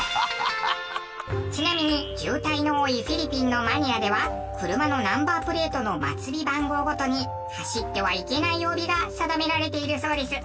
ちなみに渋滞の多いフィリピンのマニラでは車のナンバープレートの末尾番号ごとに走ってはいけない曜日が定められているそうです。